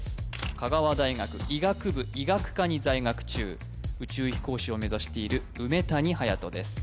香川大学医学部医学科に在学中宇宙飛行士を目指している梅谷颯斗です